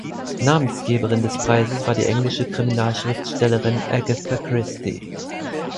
Namensgeberin des Preises war die englische Kriminalschriftstellerin Agatha Christie.